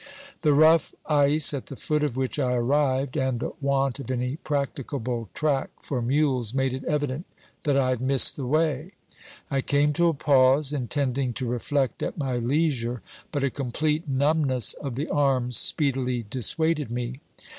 The rough ice at the foot of which I arrived and the want of any practicable track for mules made it evident that I had missed the way. I came to a pause, intending to reflect at my leisure, but a complete numbness of the arms speedily dissuaded me.